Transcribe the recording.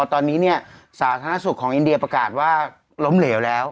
ตอนนี้สาธารณสุขของอินเดียประกาศว่าล้มเหลวแล้ว